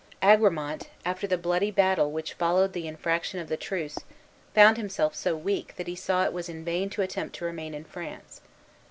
Agramant, after the bloody battle which followed the infraction of the truce, found himself so weak that he saw it was in vain to attempt to remain in France.